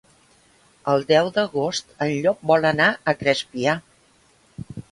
El deu d'agost en Llop vol anar a Crespià.